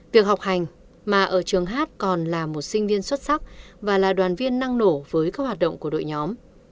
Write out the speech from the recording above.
việc học hành mà ở trường hát còn là một sinh viên xuất sắc và là đoàn viên năng nổ với các hoạt động của đội nhóm